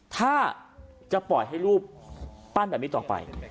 ถ้าจะปล่อยให้รูปปั้นแบบนี้ต่อไป